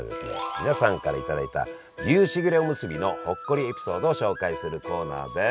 皆さんから頂いた牛しぐれおむすびのほっこりエピソードを紹介するコーナーです！